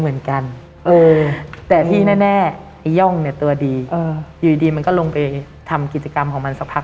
เหมือนกันเออแต่ที่แน่ไอ้ย่องเนี่ยตัวดีอยู่ดีมันก็ลงไปทำกิจกรรมของมันสักพัก